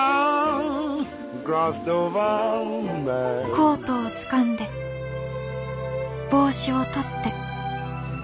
「コートをつかんで帽子を取って」。